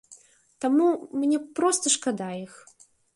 Таму мне проста шкада іх.